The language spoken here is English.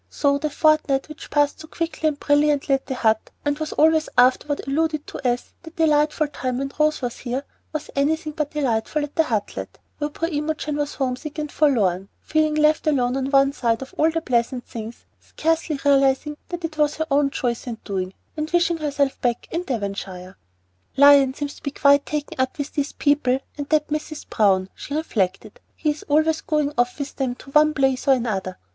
So the fortnight, which passed so quickly and brilliantly at the Hut, and was always afterward alluded to as "that delightful time when Rose was here," was anything but delightful at the "Hutlet," where poor Imogen sat homesick and forlorn, feeling left alone on one side of all the pleasant things, scarcely realizing that it was her own choice and doing, and wishing herself back in Devonshire. "Lion seems quite taken up with these new people and that Mrs. Browne," she reflected. "He's always going off with them to one place or another.